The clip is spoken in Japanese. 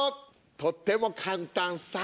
とっても簡単さ。